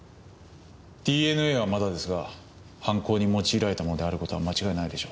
ＤＮＡはまだですが犯行に用いられたものである事は間違いないでしょう。